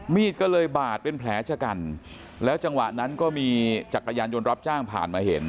มีดก็เลยบาดเป็นแผลชะกันแล้วจังหวะนั้นก็มีจักรยานยนต์รับจ้างผ่านมาเห็น